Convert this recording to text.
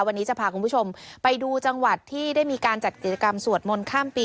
วันนี้จะพาคุณผู้ชมไปดูจังหวัดที่ได้มีการจัดกิจกรรมสวดมนต์ข้ามปี